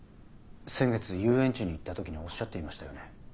先月遊園地に行った時におっしゃっていましたよね？